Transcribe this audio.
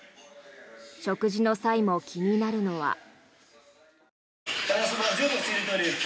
食事の際も気になるのは。